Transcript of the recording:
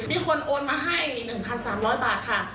มีคนโอนมาให้๑๓๐๐บาทค่ะ